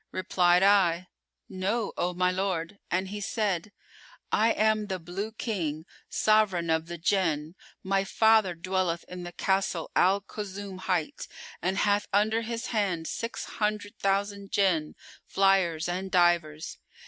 Replied I, 'No, O my lord'; and he said, 'I am the Blue King, Sovran of the Jann; my father dwelleth in the Castle Al Kulzum[FN#419] hight, and hath under his hand six hundred thousand Jinn, flyers and divers.